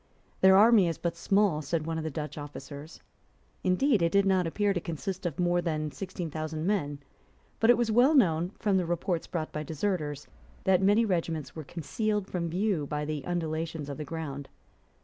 "Their army is but small;" said one of the Dutch officers. Indeed it did not appear to consist of more than sixteen thousand men. But it was well known, from the reports brought by deserters, that many regiments were concealed from view by the undulations of the ground.